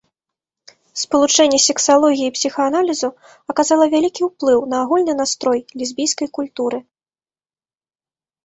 Спалучэнне сексалогіі і псіхааналізу аказала вялікі ўплыў на агульны настрой лесбійскай культуры.